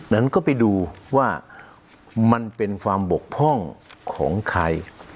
นั้นก็ไปดูว่ามันเป็นความบกพร่องของใคร